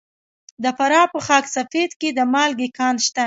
د فراه په خاک سفید کې د مالګې کان شته.